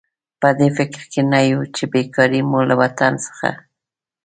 په دې فکر کې نه یو چې بېکاري مو له وطن څخه.